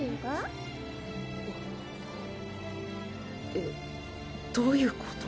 えっどういうこと？